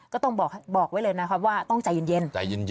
ก็ต้องบอกไว้เลยนะครับว่าต้องใจเย็น